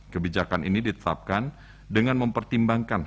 kebijakan ini ditetapkan dengan mempertimbangkan